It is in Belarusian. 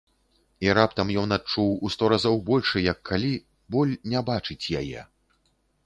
І раптам ён адчуў у сто разоў большы, як калі, боль не бачыць яе.